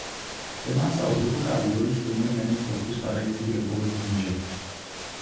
Jedná se o hluboká údolí stejnojmenných toků spadajících do povodí Mže.